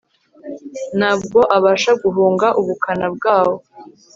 nta bwo abasha guhunga ubukana bwawo